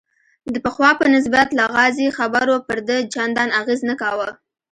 د پخوا په نسبت لغازي خبرو پر ده چندان اغېز نه کاوه.